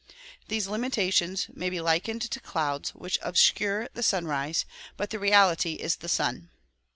These imitations may be likened to clouds which obscure the sunrise ; but the reality is the sun.